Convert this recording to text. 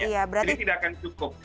jadi tidak akan cukup